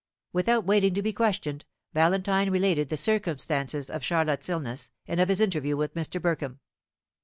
Without waiting to be questioned, Valentine related the circumstances of Charlotte's illness, and of his interview with Mr. Burkham.